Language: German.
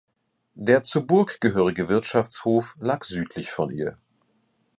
Der zur Burg gehörige Wirtschaftshof lag südlich von ihr.